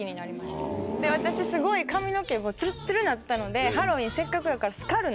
私すごい髪の毛ツルッツルになったのでハロウィーンせっかくやから。